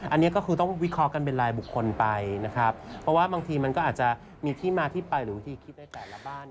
อันนี้ก็คือต้องวิเคราะห์กันเป็นรายบุคคลไปนะครับเพราะว่าบางทีมันก็อาจจะมีที่มาที่ไปหรือวิธีคิดในแต่ละบ้าน